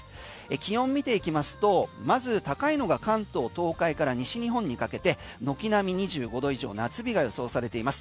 気温を見ていきますとまず高いのが関東、東海から西日本にかけて軒並み２５度以上夏日が予想されています。